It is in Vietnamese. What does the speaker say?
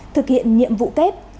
thực hiện nhiệm vụ kép